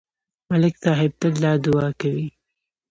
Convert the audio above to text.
ملک صاحب تل دا دعا کوي